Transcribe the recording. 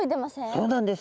そうなんです。